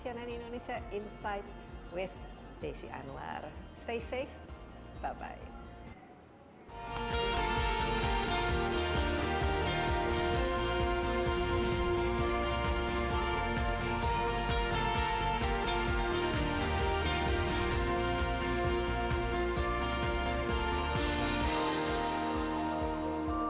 cnn indonesia insight